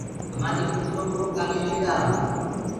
همآ دي پوڇرو گو ڪآلي ليٽ آرآ هو۔